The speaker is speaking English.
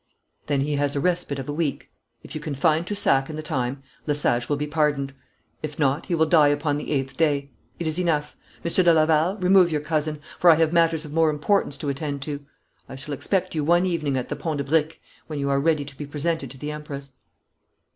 'Then he has a respite of a week. If you can find Toussac in the time, Lesage will be pardoned. If not he will die upon the eighth day. It is enough. Monsieur de Laval, remove your cousin, for I have matters of more importance to attend to. I shall expect you one evening at the Pont de Briques, when you are ready to be presented to the Empress.'